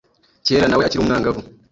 kera nawe akiri umwangavu.